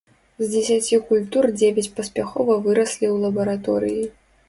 З дзесяці культур дзевяць паспяхова выраслі ў лабараторыі.